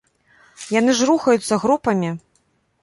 Яны ж рухаюцца групамі.